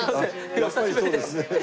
やっぱりそうですね。